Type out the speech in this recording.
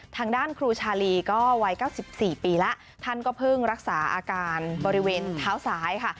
ทางด้านครูชาลีก็วัย๙๔ปีแล้วท่านก็เพิ่งรักษาอาการบริเวณเท้าซ้ายค่ะ